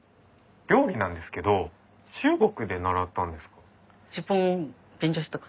料理なんですけど中国で習ったんですか？